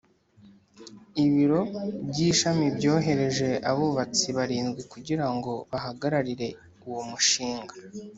Ibiro by’ ishami byohereje abubatsi barindwi kugira ngo bahagararire uwo mushinga